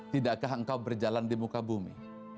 tidakkah engkau berjalan di muka bumi